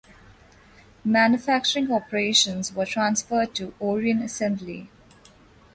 Manufacturing operations were transferred to Orion Assembly.